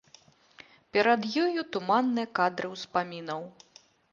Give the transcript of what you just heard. Перад ёю туманныя кадры ўспамінаў.